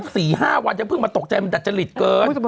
สี่ห้าวันยังเพิ่งมาตกใจมันดัจจริตเกิน